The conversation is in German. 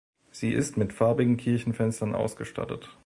Sie ist mit farbigen Kirchenfenstern ausgestattet.